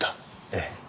ええ。